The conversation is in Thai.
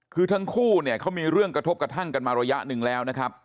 คือทั้งคู่เนี่ยเขามีเรื่องกระทบกระทั่งกันมาระยะหนึ่งแล้วนะครับ